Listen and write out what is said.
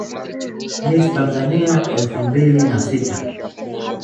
Miss Tanzania elfu mbili na sita